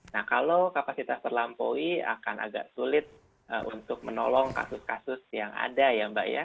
nah kalau kapasitas terlampaui akan agak sulit untuk menolong kasus kasus yang ada ya mbak ya